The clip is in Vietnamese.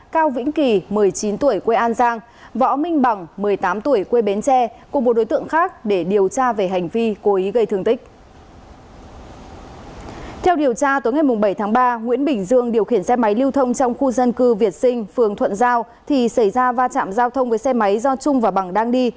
các bạn hãy đăng ký kênh để ủng hộ kênh của chúng mình nhé